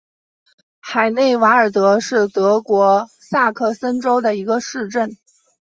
海内瓦尔德是德国萨克森州的一个市镇。